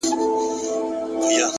هوډ د نامعلومو لارو څراغ دی